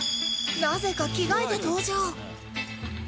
なぜか着替えて登場